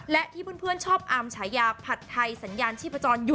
และที่เพื่อนชอบอามฉายาผัดไทยสัญญาณชีพจรอยู่